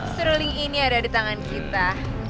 seruling ini ada di tangan kita